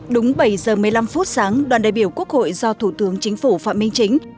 đúng bảy giờ một mươi năm phút sáng đoàn đại biểu quốc hội do thủ tướng chính phủ phạm minh chính